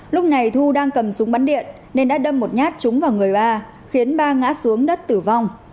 lúc này thu đang cầm súng bắn điện nên đã đâm một nhát trúng vào người ba khiến ba ngã xuống đất tử vong